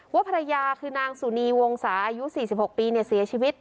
ว่าภรรยาคือนางสุนีวงศาอายุ๔๖ปีเสียชีวิต